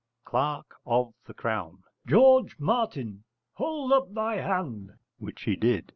Clerk of the Crown. George Martin, hold up thy hand (which he did).